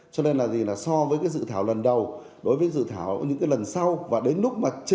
cho nên là so với dự thảo lần đầu đối với dự thảo những lần sau